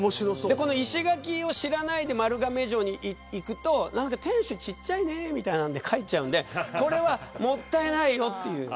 石垣を知らないで丸亀城に行くと天守ちっちゃいねみたいなので帰っちゃうのでもったいないよという。